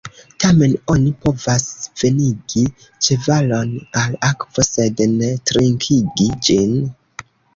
Tamen, oni povas venigi ĉevalon al akvo, sed ne trinkigi ĝin.